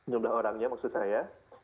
jumlah orangnya maksud saya